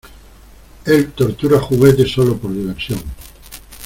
¡ Él tortura juguetes, sólo por diversión!